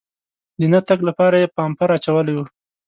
د نه تګ لپاره یې پامپر اچولی و.